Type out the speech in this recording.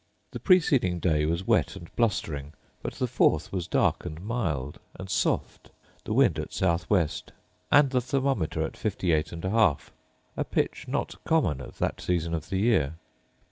The preceding day was wet and blustering, but the fourth was dark and mild, and soft, the wind at south west, and the thermometer at 58 1/2 ; a pitch not common at that season of the year.